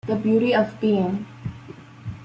The beauty of being.